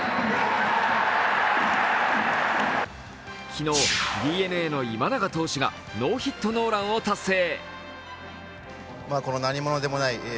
昨日、ＤｅＮＡの今永投手がノーヒットノーランを達成。